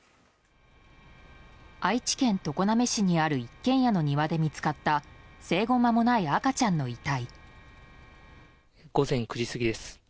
愛知県常滑市にある一軒家の庭で見つかった生後間もない赤ちゃんの遺体。